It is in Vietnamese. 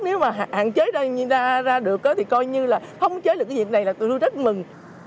nếu mà hạn chế ra được thì coi như là không chế được cái việc này là tôi rất mừng